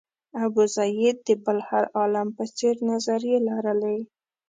ابوزید د بل هر عالم په څېر نظریې لرلې.